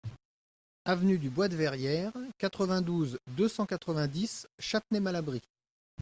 Avenue du Bois de Verrières, quatre-vingt-douze, deux cent quatre-vingt-dix Châtenay-Malabry